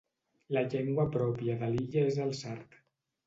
La llengua pròpia de l’illa és el sard.